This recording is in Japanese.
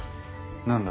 何だ？